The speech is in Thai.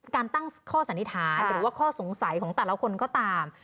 การตั้งข้อสันนิษฐานหรือว่าข้อสงสัยของแต่ละคนก็ตาม